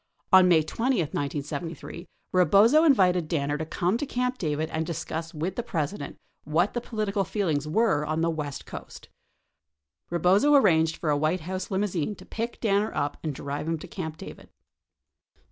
On May 20, 1973, Eebozo invited Danner to come to Camp David and discuss with the President what the political feelings were on the west coast. Eebozo arranged for a White House limousine to pick Danner up and drive him to Camp David.